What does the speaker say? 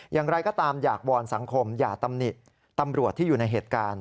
อย่างไรก็ตามอยากวอนสังคมอย่าตำหนิตำรวจที่อยู่ในเหตุการณ์